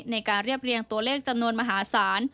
ในการเรียบเรียงตัวเลขจำนวนมหาศาล